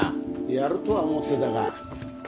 やるとは思ってたが見直した！